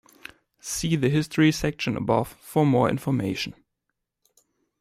See the History sections above for more information.